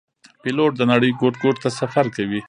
پیلوټ د نړۍ ګوټ ګوټ ته سفر کوي.